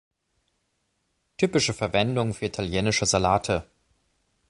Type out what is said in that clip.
Typische Verwendung für italienische Salate.